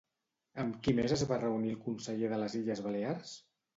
Amb qui més es va reunir el conseller de les Illes Balears?